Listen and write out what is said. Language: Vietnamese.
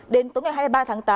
đến tối ngày hai mươi ba tháng tám